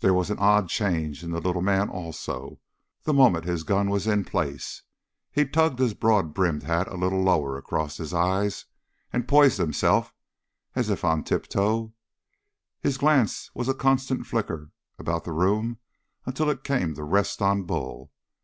There was an odd change in the little man also, the moment his gun was in place. He tugged his broad brimmed hat a little lower across his eyes and poised himself, as if on tiptoe; his glance was a constant flicker about the room until it came to rest on Bull.